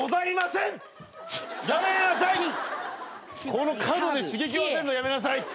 この角で刺激を与えるのやめなさい！